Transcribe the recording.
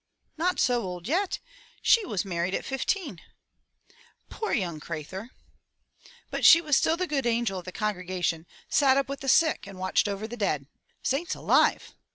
"Not so old yet! She was married at fifteen!'* "Poor young craythur!*' "But she was still the good angel of the congregation, sat up with the sick and watched over the dead.'* "Saints alive!"